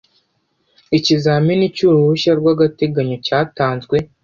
Ikizamini cy ‘uruhushya rw ‘agateganyo cyatanzwe.